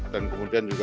dan kemudian juga